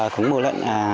không bổ lận